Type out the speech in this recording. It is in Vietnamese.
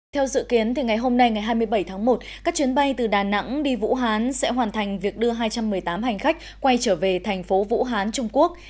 theo dự kiến ngày hôm nay ngày hai mươi bảy tháng một các chuyến bay từ đà nẵng đi vũ hán sẽ hoàn thành việc đưa hai trăm một mươi tám hành khách quay trở về thành phố vũ hán trung quốc